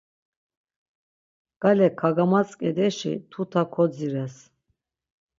Gale gamatzǩedeşi tuta kodzires.